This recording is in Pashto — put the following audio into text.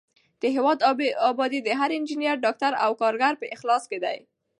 د هېواد ابادي د هر انجینر، ډاکټر او کارګر په اخلاص کې ده.